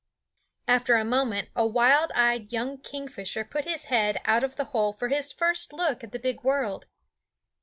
After a moment a wild eyed young kingfisher put his head out of the hole for his first look at the big world.